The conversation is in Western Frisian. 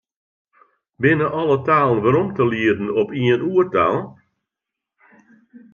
Binne alle talen werom te lieden op ien oertaal?